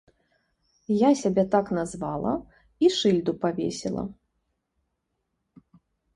Я сябе так назвала і шыльду павесіла.